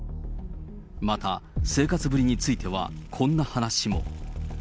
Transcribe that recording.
また、生活ぶりについては、こんな話も。